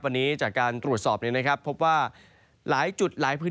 ต่ำสุดในรถที่จะเดินทางไปคงต้องระวังเรื่อยสามารถกินทางที่จะจอมสวนเฉย